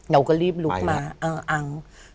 เราก็รีบลุกมาเอออัง